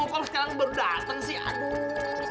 kok lo sekarang berdateng sih